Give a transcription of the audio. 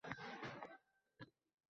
ularni ham, menimcha, hisobga olish kerak.